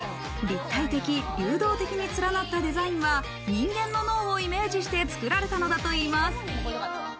３６０度、高さはおよそ８ｍにもおよび、立体的、流動的に連なったデザインは、人間の脳をイメージして作られたのだといいます。